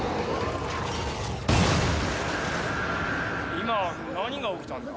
今何が起きたんだ？